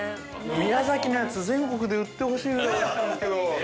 ◆宮崎のやつ、全国で売ってほしいぐらいおいしいんですけど。